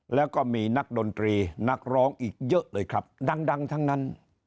แล้วก็มีนักดนตรีนักร้องอีกเยอะเลยครับดังทั้งนั้น